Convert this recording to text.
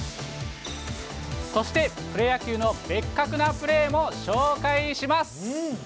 そしてプロ野球のベッカクなプレーも紹介します。